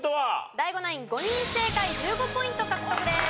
ＤＡＩＧＯナイン５人正解１５ポイント獲得です。